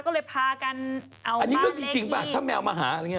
ก็เลยพากันเอาอันนี้เรื่องจริงป่ะถ้าแมวมาหาอะไรอย่างนี้